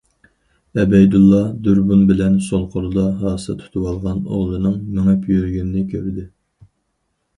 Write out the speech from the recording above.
ئەبەيدۇللا دۇربۇن بىلەن سول قولىدا ھاسا تۇتۇۋالغان ئوغلىنىڭ مېڭىپ يۈرگىنىنى كۆردى.